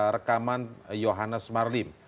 rekaman johannes marlim